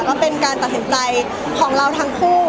ก็เป็นการตัดสินใจของเราทั้งคู่